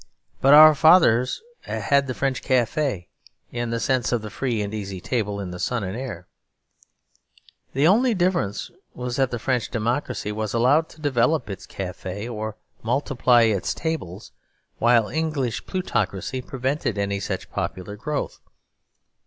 But our fathers had the French café, in the sense of the free and easy table in the sun and air. The only difference was that French democracy was allowed to develop its café, or multiply its tables, while English plutocracy prevented any such popular growth.